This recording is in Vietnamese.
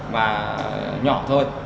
và nhỏ thôi